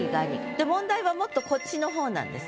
で問題はもっとこっちの方なんです。